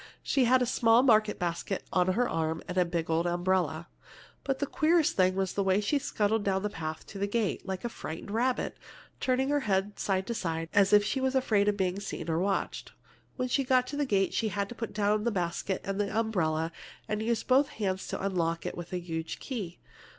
She had a small market basket on her arm, and a big old umbrella. "But the queerest thing was the way she scuttled down the path to the gate, like a frightened rabbit, turning her head from side to side, as if she was afraid of being seen or watched. When she got to the gate, she had to put down her basket and umbrella and use both hands to unlock it with a huge key.